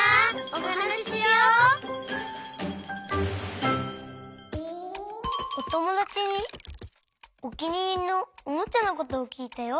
おともだちにおきにいりのおもちゃのことをきいたよ。